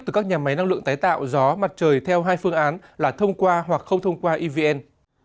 từ các nhà máy năng lượng tái tạo gió mặt trời theo hai phương án là thông qua hoặc không thông qua evn